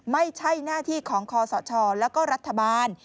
ไม่ใช่หน้าที่ของคอสชแล้วก็รัฐบาล